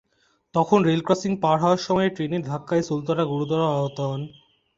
তখন রেলক্রসিং পার হওয়ায় সময় ট্রেনের ধাক্কায় সুলতানা গুরুতর আহত হন।